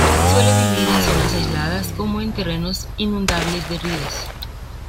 Suele vivir en zonas aisladas, como en terrenos inundables de ríos.